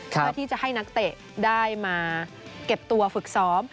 เพื่อที่จะให้นักเตะได้มาเก็บตัวฝึกซ้อม